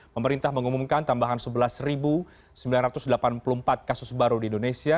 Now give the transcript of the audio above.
pemerintah mengumumkan tambahan sebelas sembilan ratus delapan puluh empat kasus baru di indonesia